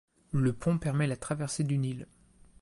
Le pont permet la traversée du Nil.